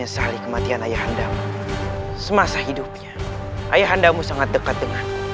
kau sudah membantumu sebagai ayah dan aku sendiri